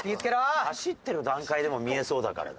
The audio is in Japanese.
走ってる段階でも見えそうだからな。